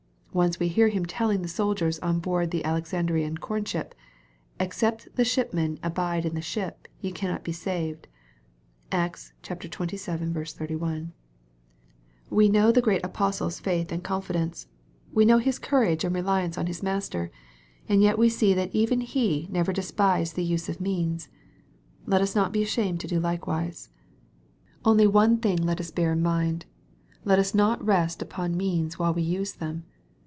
Once we hear him telling the soldiers on board the Alexandrian corn ship, " Except the shipmen abide in the ship, ye cannot be saved." (Acts xxvii. 31.) We know the great apostle's faith and confidence. We MARK, CHAP. xni. 283 know his courage and reliance on his Master. And yet we see ihat even he never despised the use of means. Let us not be ashamed to do likewise. One thing only let us bear in mind. Let us not rest upon means while we use them.